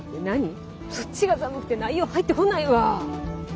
そっちが寒くて内容入ってこないわ。